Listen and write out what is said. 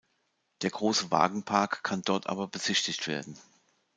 Der große Wagenpark kann dort aber besichtigt werden.